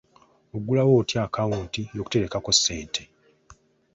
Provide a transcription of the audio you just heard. Oggulawo otya akaawunti y'okuterekako ssente?